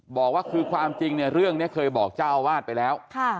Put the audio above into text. บอกว่าคือความจริงเนี่ยเรื่องนี้เคยบอกเจ้าอาวาสไปแล้ว